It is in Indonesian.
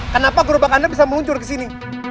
kenapa gerobak anda bisa meluncur ke sini